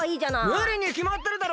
むりにきまってるだろ！